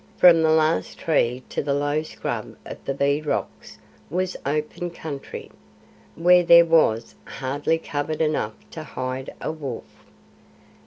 From the last tree to the low scrub of the Bee Rocks was open country, where there was hardly cover enough to hide a wolf.